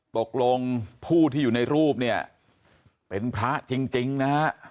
ตกลงผู้ที่อยู่ในรูปเนี่ยเป็นพระจริงนะฮะ